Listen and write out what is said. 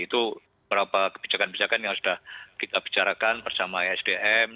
itu beberapa kebijakan kebijakan yang sudah kita bicarakan bersama esdm